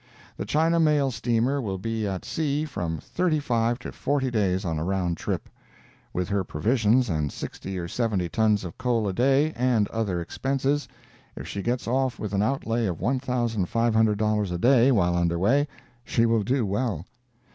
The China mail steamer will be at sea from thirty five to forty days on a round trip. With her provisions and sixty or seventy tons of coal a day, and other expenses, if she gets off with an outlay of $1,500 a day, while under way, she will do well.